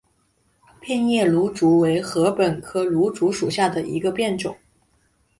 变叶芦竹为禾本科芦竹属下的一个变种。